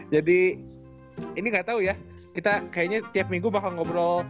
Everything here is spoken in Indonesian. jadi ini gak tau ya kita kayaknya tiap minggu bakal ngobrol